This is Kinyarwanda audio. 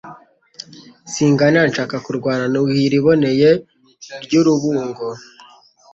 Singanira nshaka kurwana. Nuhiye iliboneye ry'urubungo,